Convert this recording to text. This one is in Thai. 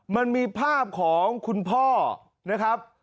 มันมีภาพของคุณพ่อนะครับ